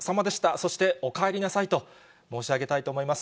そして、おかえりなさいと申し上げたいと思います。